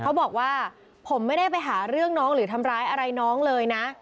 เขาบอกว่าผมไม่ได้ไปหาเรื่องน้องหรือทำร้ายอะไรน้องเลยนะ